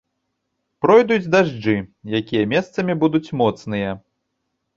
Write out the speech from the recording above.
Пройдуць дажджы, якія месцамі будуць моцныя.